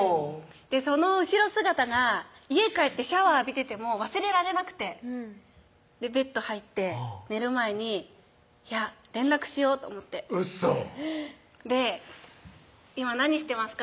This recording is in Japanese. その後ろ姿が家帰ってシャワー浴びてても忘れられなくてベッド入って寝る前にいや連絡しようと思ってウソ「今何してますか？